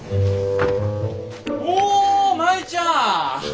お舞ちゃん！